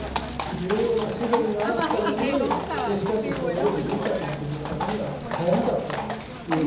重要な資源があったのにしかしそれを自分たちの国のためには使えなかったということになります。